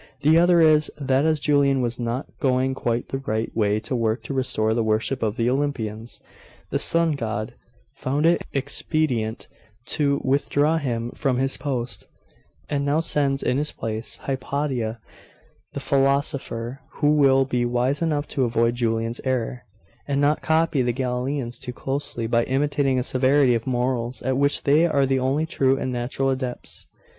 The other is, that as Julian was not going quite the right way to work to restore the worship of the Olympians, the Sun God found it expedient to withdraw him from his post, and now sends in his place Hypatia the philosopher, who will be wise enough to avoid Julian's error, and not copy the Galilaeans too closely, by imitating a severity of morals at which they are the only true and natural adepts.